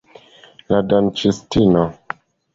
La dancistino.